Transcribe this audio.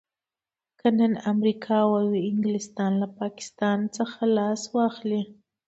که نن امريکا او انګلستان له پاکستان څخه لاس واخلي.